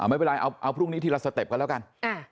ไม่เป็นไรเอาพรุ่งนี้ทีละสเต็ปกันแล้วกัน